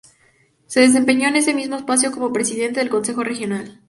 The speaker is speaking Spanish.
Se desempeñó en ese mismo espacio como presidente del Consejo Regional.